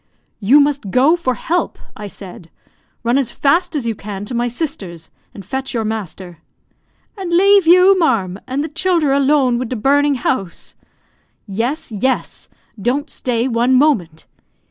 "You must go for help," I said. "Run as fast as you can to my sister's, and fetch your master." "And lave you, ma'arm, and the childher alone wid the burnin' house?" "Yes, yes! Don't stay one moment."